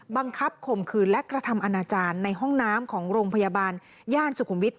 ข่มขืนและกระทำอนาจารย์ในห้องน้ำของโรงพยาบาลย่านสุขุมวิทย